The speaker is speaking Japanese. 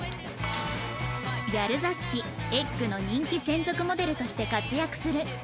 ギャル雑誌『ｅｇｇ』の人気専属モデルとして活躍するあいめろさん